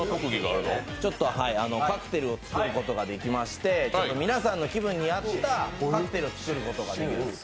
カクテルを作ることができまして、皆さんの気分に合ったカクテルを作ることができるんです。